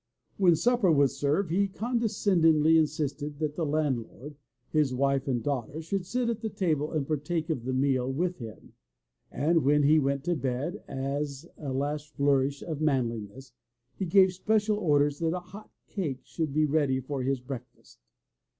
When supper was served he condescendingly insisted that the landlord, his wife and daughter should sit at the table and partake of the meal with him, and when he went to bed, as a last flourish of manliness, he gave special orders that a hot cake should be ready for his break fast.